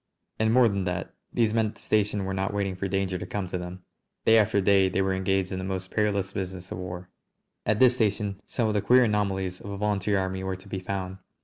And, more than that, these men at the station were not waiting for danger to come to them. Day after day they were engaged in the most perilous business of the war. At this station some of the queer anomalies of a volunteer army were to be found.